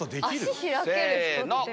脚開ける人って。